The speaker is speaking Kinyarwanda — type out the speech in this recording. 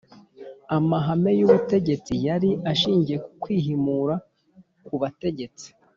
Amahame y’ubutegetsi yari ashingiye ku kwihimura ku batutsi